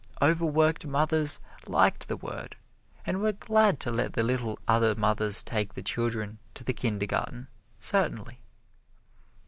Overworked mothers liked the word and were glad to let the little other mothers take the children to the Kindergarten, certainly.